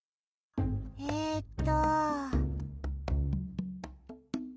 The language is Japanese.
えっと。